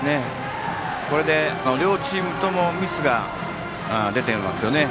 これで両チームともミスが出ていますよね。